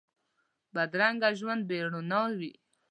بدرنګه ژوند بې روڼا وي